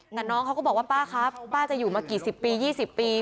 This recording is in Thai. แต่น้องเขาก็บอกว่าป้าครับป้าจะอยู่มากี่สิบปี๒๐ปี